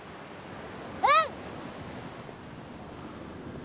うん！